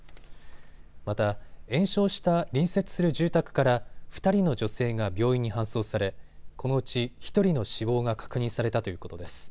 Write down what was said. また延焼した隣接する住宅から２人の女性が病院に搬送されこのうち１人の死亡が確認されたということです。